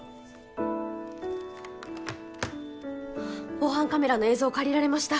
防犯カメラの映像借りられました。